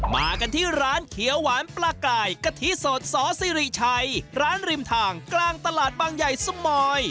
มากันที่ร้านเขียวหวานปลากายกะทิสดสอสิริชัยร้านริมทางกลางตลาดบางใหญ่สมอย